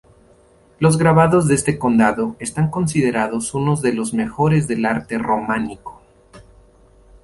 Los grabados de este condado están considerados unos de los mejores del arte románico.